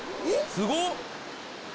すごっ